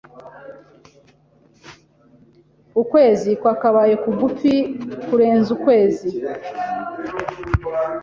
Ukwezi kwakabaye kugufi kurenza ukwezi. (papabear)